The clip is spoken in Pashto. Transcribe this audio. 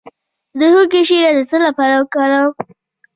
د هوږې شیره د څه لپاره وکاروم؟